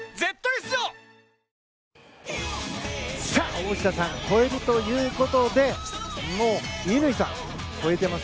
大下さん超えるということでもう乾さん、超えています。